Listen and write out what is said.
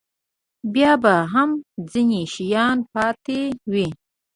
بیا به هم ځینې شیان پاتې وي.